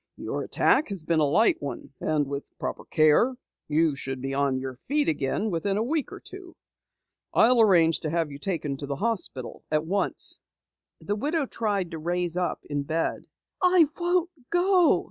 "Your attack has been a light one and with proper care you should be on your feet again within a week or two. I'll arrange to have you taken to the hospital at once." The widow tried to raise up in bed. "I won't go!"